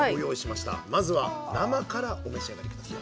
まずは生からお召し上がり下さい。